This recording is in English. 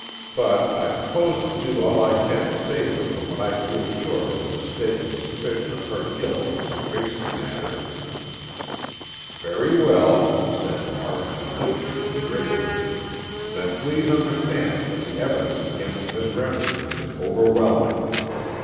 But, I propose to do all I can to save her from what I feel sure is a mistaken suspicion of her guilt in the Tracy matter." "Very well," said March, looking at me gravely, "then please understand that the evidence against Miss Remsen is overwhelming.